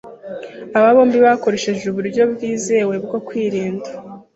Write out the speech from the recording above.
aba bombi bakoresha uburyo bwizewe bwo kwirinda